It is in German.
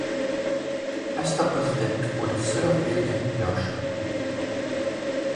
Erster Präsident wurde Sir William Herschel.